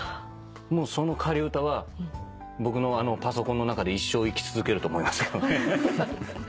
もうその仮歌は僕のパソコンの中で一生生き続けると思いますけどね。